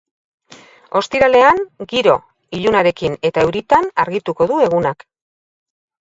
Ostiralean, giro ilunarekin eta euritan argituko du egunak.